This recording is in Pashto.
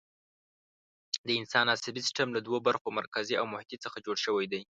د انسان عصبي سیستم له دوو برخو، مرکزي او محیطي څخه جوړ شوی دی.